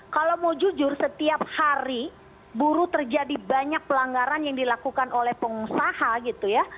kalau mau jujur setiap hari buruh terjadi banyak pelanggaran yang dilakukan oleh pengusaha gitu ya